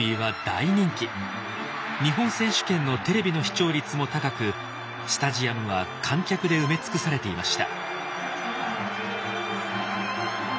日本選手権のテレビの視聴率も高くスタジアムは観客で埋め尽くされていました。